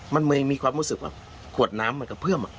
มันมีความรู้สึกว่าขวดน้ำมันกระเพื่อม